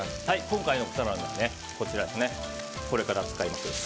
今回の笠原の眼はこれから使います